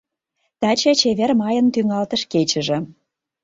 Таче чевер майын тӱҥалтыш кечыже.